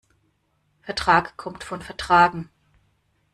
Vertrag kommt von vertragen.